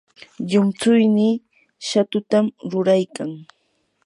llumtsuynii shatutam ruraykan.